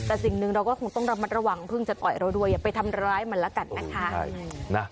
แต่สิ่งหนึ่งเราก็คงต้องระมัดระวังเพิ่งจะต่อยเราด้วยอย่าไปทำร้ายมันแล้วกันนะคะ